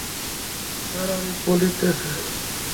Sir Arif বলতেছি।